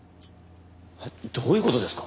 どういう事ですか？